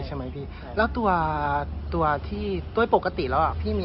ใช่ไหมพี่แล้วตัวตัวที่โดยปกติแล้วอ่ะพี่มี